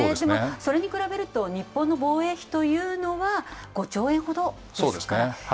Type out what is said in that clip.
それに比べると、日本の防衛費というのは５兆円ほどですから、一桁ぐらいですね。